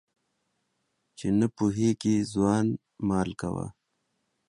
چي نه پوهېږي ځوان مال کوه.